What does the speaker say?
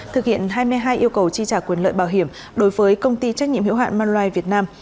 thực hiện hai mươi hai yêu cầu chi trả quyền lợi bảo hiểm đối với công ty trách nhiệm hiệu hạn manulife việt nam